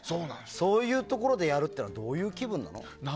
そういうところでやるっていうのはどういう気分なの？